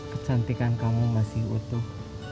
kecantikan kamu masih utuh